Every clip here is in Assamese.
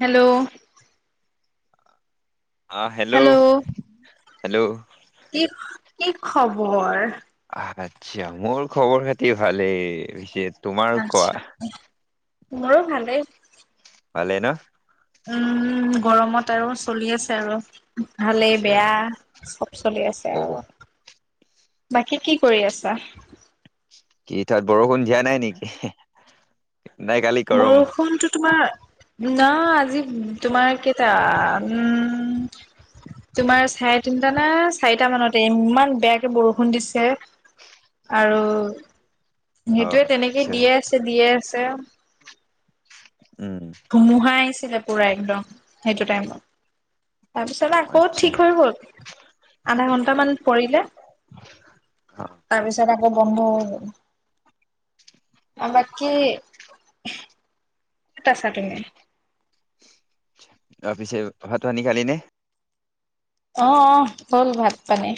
হেল্ল'। হেল্ল' হেল্ল' কি খ কি খবৰ? আচ্ছা, মোৰ খবৰ-খাতি ভালেই [unintelligible] কোৱা আচ্ছা। মোৰো ভালেই। ভালে ন? উম আচ্ছা গৰমত আৰু চলি আছে আৰু, ভালেই আচ্ছা বেয়া, চব চলি আছে অ আৰু। বাকী কি কৰি আছা? কি, তাত বৰষুণ দিয়া নাই নিকি? বৰষুণটো তোমাৰ ন আজি- তোমাৰ কেইটা উম। তোমাৰ চাৰে তিনটা নে, চাৰিটা মানতে ইমান বেয়াকে বৰষুণ দিছে। আৰু অ সেইটোৱে, তেনেকে আচ্ছা দিয়ে আছে, দিয়ে আ ছেওঁ। উম। তেতিয়া পৰে একদম, সেইটো টাইমত। তাৰপিছত আকৌ আচ্ছা ঠিক হৈ গ'ল, আধা ঘন্টামান পৰিলে, অ তাৰপিছতে গেট বন্ধ অহ' বাকি। [inaudible] তাৰপিছে ভাত ৰান্ধি খালী নে? অহ অহ হ'ল ভাত পানী।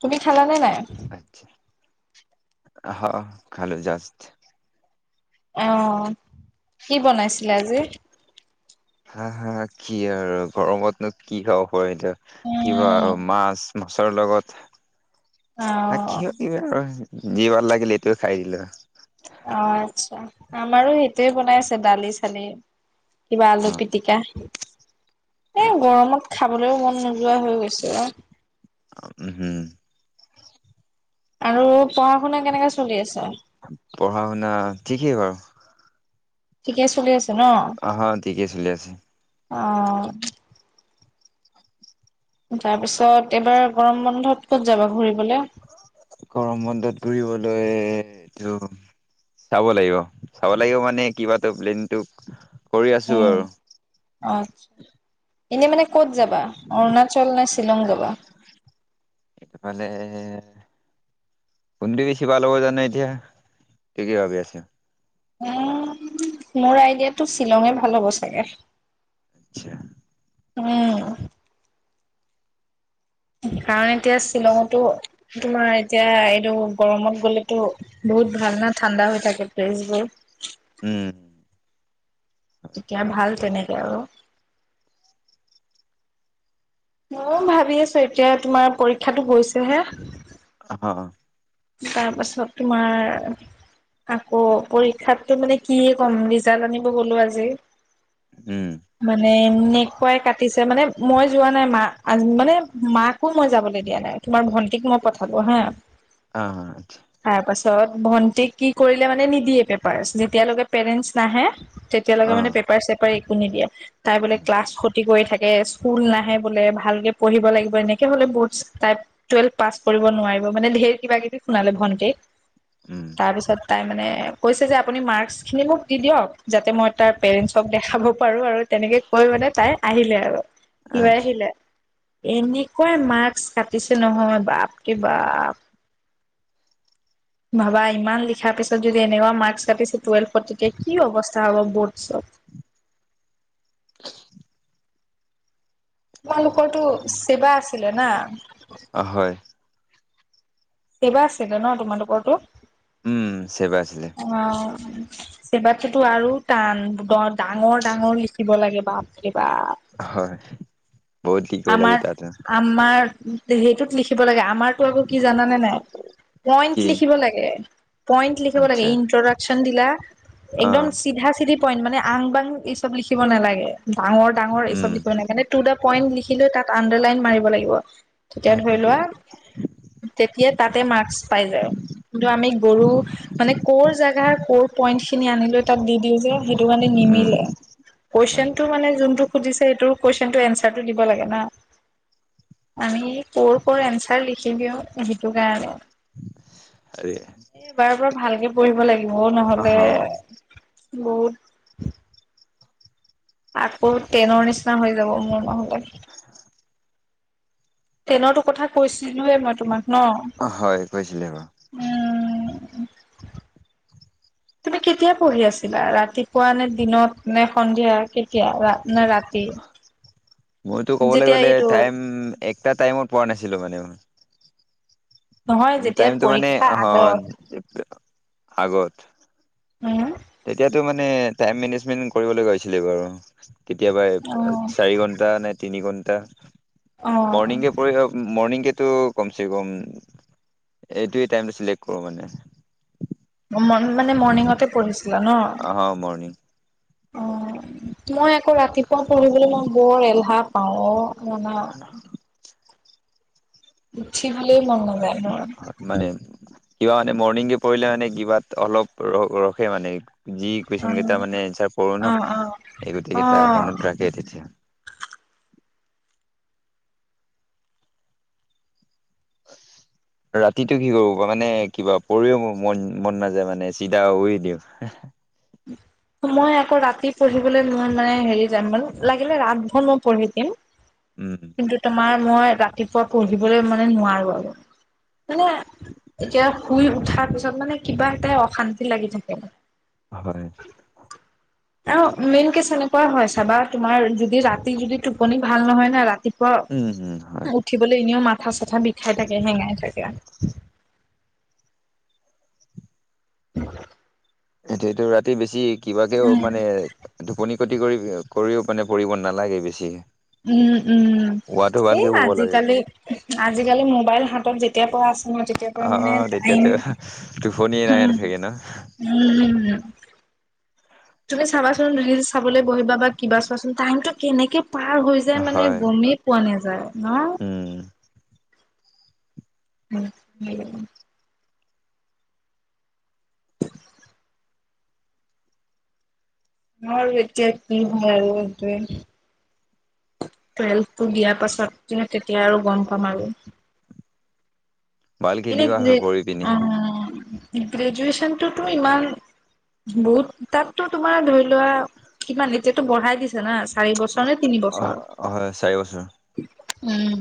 তুমি খালা নে নাই? [unintelligible] অহ খালো জাষ্ট [inaudible] অ। কি বনাইছিলে আজি? হা হা কি আৰু গৰমত নো কি হ কিবা উম আৰু মাছ মাছৰ অ লগত [inaudible] যি ভাল লাগিলে সেইটো খাই দিলো আৰু অ আচ্ছা আমাৰো সেইটোৱে বনাই আছে দালি চালি। কিবা অ আলু পিটিকা। এ, আচ্ছা গৰমত খাবলৈও মন নোযোৱা হৈ গৈছে অ'। উম, হম। আৰু পঢ়া শুনা কেনেকাে চলি আছে? পঢ়া শুনা ঠিকে বাৰু। ঠিকে চলি আছ অহ, ঠিকেই চলি আছে। অ'। তাৰপিছত এইবাৰ গৰম বন্ধত ক'ত যাবা ঘুৰিবলে? গৰম বন্ধত ঘুৰিবলৈ এইটো চাব লাগিব, চাব লাগিব মানে কিবাতো প্লেনটোক কৰি আছোঁ উম। আৰু। আচ্ছা, এনে মানে ক'ত যাবা? অৰুণাচল নে শ্বিলং যাবা? এ' [unintelligible] কোনটো বেছি ভাল হ'ব জান নাই এতিয়া কি কি ভাবি আছো উম মোৰ আইডিয়াটো শ্বিলঙে ভাল হ'ব চাগে। আচ্ছা। উম। কাৰণ এতিয়া শ্বিলঙতো তোমাৰ এতিয়া এইটো গৰমত গ'লে ত' বহুত ভাল ন ঠাণ্ডা হৈ থাকে। ফেচবুক উম। তেতিয়া ভাল তেনে আৰু ম'ও ভাবি আছো এতিয়া তোমাৰ পৰীক্ষাতটো গৈছেহে। অ'। তাৰপাছত তোমাৰ আকৌ পৰীক্ষাতো মানে কি ক'ম, ৰিজাল্ট আনিব গলো আজি। উম মানে অ এনেকুৱাই কাটিছে মানে মই যোৱা নাই মা, মানে মাকো মই যাবলৈ দিয়া নাই, তোমাৰ ভন্টিক মই পঠালো হা অ' আচ্ছা। তিছত [unintelligible] ভন্টিক কি কৰিলে মানে নিদিয়ে পেপাৰছ, যেতিয়ালৈকে পেৰেন্টছ নাহে তেতিয়ালৈকে অ মানে পেপাৰ চেপাৰ শু নি দিয়া [unintelligible] তাই বোলে ক্লাছ ক্ষতি কৰি থাকে এ স্কুল নাহে বোলে, ভালকে পঢ়িব লাগিব এনেকে হ'লে বহুত টাইপ টুৱেলভ পাছ কৰিব নোৱাৰিব মানে, ধেৰ কিবা কিবি শুনালে ভনটিক উম তাৰপিছত তাই মানে কৈছে যে আপুনি মাৰ্কছখিনি মোক দি দিয়ক, যাতে মই তাৰ পেৰেণ্টছক দেখাব পাৰো আৰু, তেনেকে কৈ মানে তাই আহিলে আৰু, লৈ আচ্ছা আহিলে এনেকুৱাই মাস্স কাটিছে নহয়, বাপৰে বাপ ভাবা ইমান লিখাৰ পিছত যদি এনেকুৱা মাৰ্ক কাতিছে, টুৱেল গতিকে কি অৱস্থা হ'ব [unintelligible] ৱাটছএপ [inaudible] তোমালোকৰ তো চৱা আছিলে না? অ হয় চেবা আছিলে ন তোমালোকৰতো? উম চেবা আছিলে অ'। চবতো আৰু টান, ডাঙৰ ডাঙৰ লিখিব লাগে, বা হয় বহুত শিকিব লাগে আমাৰ তাতো আমাৰ সেইটোত লিখিব কি [unintelligible] পইণ্ট আচ্ছা অ মানে আং বাং এই চব লিখিব নালাগে ডাঙৰ ডাঙৰ এই চব উম লিখিব নাই মানে টু দা পইণ্ট তাত আন্ডাৰ লাইন মাৰিব লাগিব তেতিয়া ধৰি হেৰি লোৱা তেতিয়া তাতে মাৰ্কচ পাই যায় কিন্তু আমি গৰু মানে কৰ জেগাৰ কৰ পইন্ট খিনি আনিলৈ তাক দি দিওঁ যে সেইটো কাৰণে উম নিমিলে হয় কুৱেশনটো মানে যোনটো সুধিছে সেইটো [unintelligible] [unintelligible] আমি কৰ কৰ এনচাৰ লিখি দিও সেইটো কাৰণে আৰে এবাৰ পৰা ভালকে কৰিব লাগিব দিব অ নহলে গুত আচ বহুত ট্ৰেইনৰ নিচিনা হৈ যাব মোৰ অঁ ট্ৰেইনৰতো কথা কৈছিলোয়ে মই তোমাক ন হয় কৈছিলে বাৰু উম তুমি কেতিয়া পঢ়ি আছিলা ৰাতিপুৱা নে দিনত নে সন্ধিয়া কেতিয়া না ৰাতি মইতো ক'বলৈ যেতিয়া গ'লে এইটো টাইম একটা টাইমত পোৱা নাছিলো মানে মই নহয় যেতিয়া টাইমটো মানে পৰীক্ষাৰ অ হ আগত আগত হ ইনা তেতিয়াতো মানে টাইম মেনেজমেন্ট কৰিব লগা হৈছিলে বাৰু কেতিয়াবা অ'। চাৰি ঘন্টা নে তিনি ঘণ্টা অ', অ', মৰ্ণিং কৰি হ মৰ্ণিং কে ত কমচেকম এইটোয়ে টাইম চিলেক্ট কৰো মানে মৰ্নিং মানে মৰ্ণিংতে পঢ়িছিলা ন অ মৰ্ণিং অ মই আকৌ ৰাতিপুৱা পঢ়িবলৈ মই বৰ এলাহ পাও অ মানে উঠিবলৈ মন নাযায় ন মৰ্ণিঙে পৰিলে মানে কিবাত অলপ ৰ ৰখে মানে। যি কুৱেশন অ' কেইটা মানে এনচাৰ পঢ়ো ন অ' অ' এই গোটেই কেইটা মনত অ' থাকে তেতিয়া। ৰাতিতটো কি কৰিব প মানে কিবা পৰিও মোৰ মন মন নাযায় মানে চিধা উৰি দিওঁ। মই আকৌ ৰাতি পঢ়িবলৈ মই মানে হেৰি যাম মান লাগিলে ৰাতভন মই পঢ়ি দিম। উম কিন্তু তোমাৰ, মই ৰাতিপুৱা পঢ়িবলৈ মানে নোৱাৰো আৰু। মানে এতিয়া। শুই উঠাৰ পিছত মানে কিবা এটাই অশান্তি লাগি থাকে। হয়। আৰু মেইন কেচ এনেকুৱা হয় চাবা, তোমাৰ যদি ৰাতি যদি টোপনি ভাল নহয় না ৰাতি উম উম হয় ক উঠিবলৈ এনেও মাত মাথা চাথা বিষাই থাকে হেঙাই থাকে। [inaudible] এইটো, এইটো ৰাতি বেছি কিবাকেও উম, মানে টোপনি ক্ষতি কৰি, কৰিও মানে পঢ়িব নালাগে বেছি। উম, উম। শুৱাটো সেই ভালকে শুব লাগে আজিকালি, আজিকালি ম ম'বাইল হাতত যেতিয়া শুৱা আছো তেতিয়া পা অ মানে টাইম, তেতিয়াতো টোপনিয়ে নাই হম, চাগে ন হ, উম। তুমি চাবাচোন ৰিলচ চাবলৈ বহিবা বা কিবা চোৱাচোন টাইমটো কেনেকে পাহৰ হৈ যায় মানে হয় গমেই পোৱা নাযায় ন'। উম [unintelligible] বাৰু এতিয়া কি হয় আৰু সেটোৱে, টুৱেলভটো দিয়াৰ পাছত তেতিয়া আৰু গম পাম আৰু। ভালকে এনে দিবা আৰু নে পঢ়ি পিনি আ গ্ৰেজুৱেচনতুটো ইমান বহুত তাততো তোমাৰ ধৰি লোৱা কিমান এতিয়াতো বঢ়াই দিছো না। চাৰি বছৰ নে তিনি অ বছৰ? হয় চাৰি বছৰ উম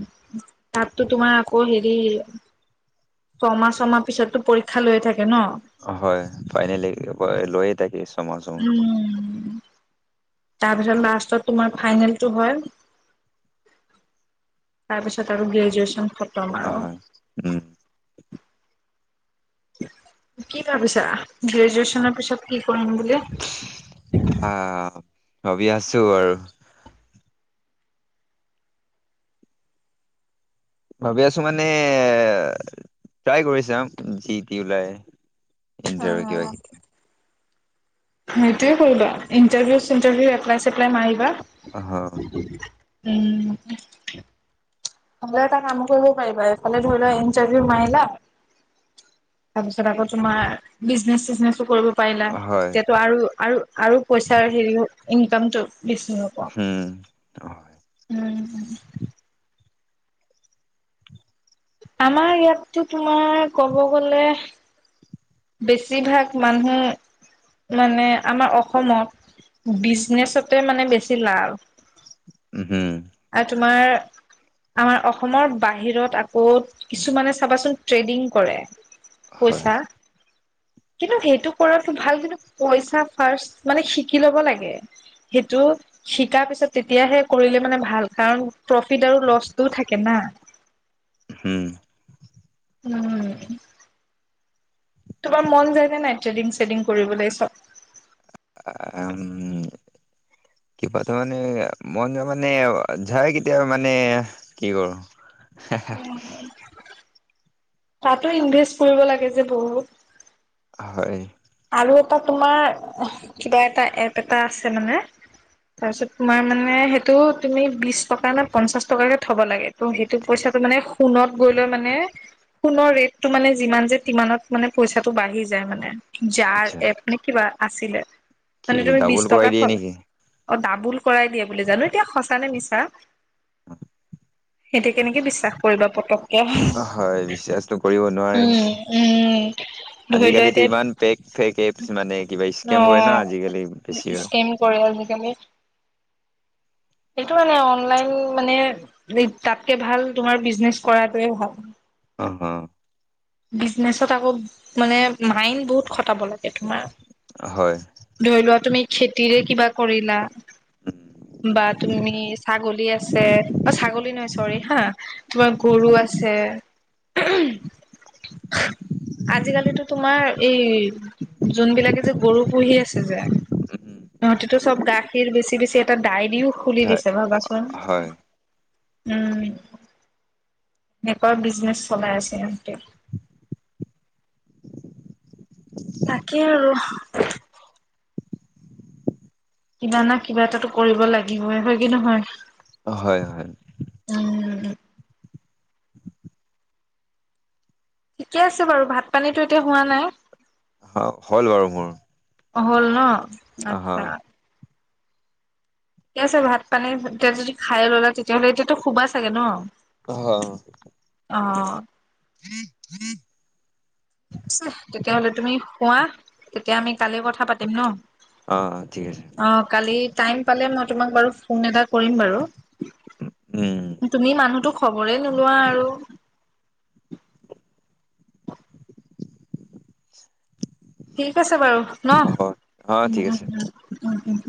তাততো তোমাৰ আকৌ হেৰি ছমাহ ছমাহ পিছতো পৰীক্ষা লৈ থাক হয় ফাইনেলি লৈয়ে থাকে। ছমাহ ছমাহ উম। তাৰপিছত লাষ্টত তোমাৰ ফাইনেলটো হয়। তাৰপিছত আৰু গ্ৰেজুৱেচন খতম আৰু। অ' হয়। উম। কি ভাবিছা? গ্ৰেজুৱেচনৰ পিছত কি কৰিম বুলি? হা ভাবি আছো আৰু। ভাবি আছো মানে ট্ৰাই কৰি চাওঁ, যি তি ওলাই। ইণ্টৰভিউ কিবা কিবি। সেইটোয়ে কৰিবা ইণ্টাৰভিউ চিন্তাৰভিউ এপ্লাই চেপ্লাই মাৰিবা। অহ। উম। ন'হলে এটা কাম কৰিব পাৰিবা এফালে ধৰি লোৱা ইন্টাৰভিউ মাৰিলা। তাৰপিছত আকৌ তোমাৰ বিজনেচ চিজনেছ। কৰিব পাৰিলা হয় তেতিয়াতো আৰু আৰু আৰু পইচাৰ হেৰি ইনকামতটো হম। অ হয়। উম। আমাৰ ইয়াততো তোমাৰ ক'ব গলে বেছিভাগ মানুহ মানে আমাৰ অসমত বিজনেছতে মানে বেছি লাভ। উ হম। আৰু তোমাৰ আমাৰ অসমৰ বাহিৰত আকৌ কিছুমানে চাবাচোন ট্ৰেডিং কৰে। হয় পইচা কিন্তু সেইটো কৰাটো ভাল কিন্তু পইচা ফাৰ্ষ্ট মানে শিকি ল'ব লাগে সেইটো শিকাৰ পিছত তেতিয়াহে কৰিলে মানে ভাল কাৰণ প্ৰফিট আৰু লছটোও থাকে না। হম। উম। তোমাৰ মন যায়নে নাই ট্ৰেডিং চেডিং কৰিবলৈ চব। উ কিবা ত মানে মন যোৱা মানে যায় কেতিয়াবা মানে কি কৰো। তাতো ইনভেষ্ট কৰিব লাগে যে বহুত। হয়। আৰু এটা তোমাৰ কিবা এটা এপ এটা আছে মানে তাৰপিছত তোমাৰ মানে সেইটো তুমি বিশ টকা নে পঞ্চাশ টকাকে থ'ব লাগে। ত সেইটো পইচাটো মানে সোণত গৈ লৈ মানে সোণৰ ৰেটটো মানে যিমান যে টিমানত মানে পইচাটো বাঢ়ি যায় মানে। যাৰ আচ্ছা এ মানে কিবা আছিলে। কি মানে তুমি বিশ ডাবল টকা কৰাই দিয়ে থলা নেকি। অ ডাবোল কৰাই দিয়া বুলি জানো এতিয়া সঁচা নে মিছা। সেইতিয়া কেনেকে বিশ্বাস কৰিবা পতককে উম হয় বিশ্বাসটো কৰিব নোৱাৰি উম ধৰি লোৱা এতিয়া। ফেক ফেক এপ মানে কিবা স্কেম কৰে ন আজিকালি বেছি ভাগ। সেইকাৰণে এইটো মানে অনলাইন মানে তাতকে ভাল তোমাৰ বিজনেচ কৰাটোৱে ভাল। অ হ। বিজনেচত আকৌ মানে মাইণ্ড বহুত খটাব লাগে। তোমাৰ অ হয় ধৰি লোৱা তুমি খেতিৰে কিবা কৰিলা। উম, তুমি ছাগলী আছে অ ছাগলী চৰি হা, তোমাৰ গৰু আছে আজিকালিটো তোমাৰ এই যোনবিলাকে যে গৰু পুহি আছে যে উম, সহতিটো চব গাখীৰ বেছি বেছি এটা দাইৰি ও খুলি হয় দিছে ভাবাচোন। হয় উম এনেকোৱা বিজনেচ চলাই আছে ইহঁতে। তাকেই আৰু কিবা না কিবা এটাটো কৰিব লাগিবই, হয় কি নহয়? হয় হয়। ওম ও ঠিকে আছে বাৰু, ভাত পানীতো এতিয়া হোৱা নাই। হ' হ'ল বাৰু মোৰ হ'ল ন? আতছা অ' ঠিকে আছে ভাত পানী এতিয়া যদি খাইয়ে ল'লা তেতিয়াহ'লে এতিয়াতো শোবা চাগে ন? হ অঁ [unintelligible] চেহ তেতিয়া হ'লে তুমি শুৱা তেতিয়া আমি কালি কথা পাতিম ন' অ' ঠিক আছে। অ কালি টাইম পালে মই তোমাক ফোন এটা কৰিম বাৰু। উম তুমি মানুহটো খবৰে নোলোৱা আৰু। ঠিক আছে বাৰু ন? অ' অ' উম ঠিক উম আছে উম। উম উম।